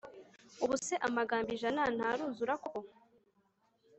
Ubuse amagambo ijana ntaruzura koko